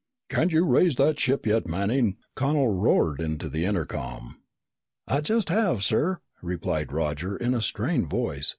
"Can't you raise that ship yet, Manning?" Connel roared into the intercom. "I just have, sir," replied Roger in a strained voice.